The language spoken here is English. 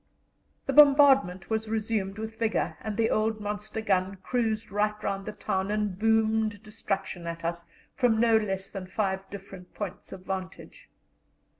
The bombardment was resumed with vigour, and the old monster gun cruised right round the town and boomed destruction at us from no less than five different points of vantage.